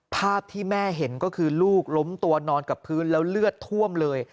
ภาพที่แม่เห็นก็คือลูกล้มตัวนอนกับพื้นแล้วเลือดท่วมเลย